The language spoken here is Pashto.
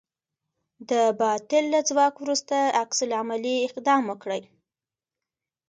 د باطل له ځواک وروسته عکس العملي اقدام وکړئ.